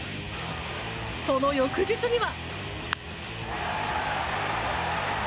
その翌日には。